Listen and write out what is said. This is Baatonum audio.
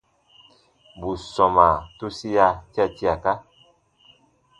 Bù sɔmaa tusia tia tiaka.